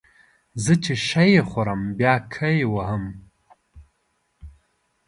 زه چې شی خورم بیا کای وهم